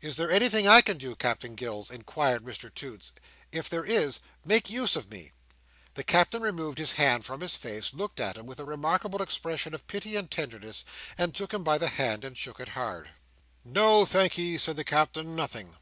"Is there anything I can do, Captain Gills?" inquired Mr Toots. "If there is, make use of me." The Captain removed his hand from his face, looked at him with a remarkable expression of pity and tenderness, and took him by the hand, and shook it hard. "No, thank'ee," said the Captain. "Nothing.